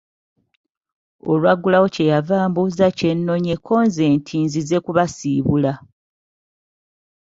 Olwaggulawo kye yava ambuuza kye nnonye ko nze nti nzize kubasiibula.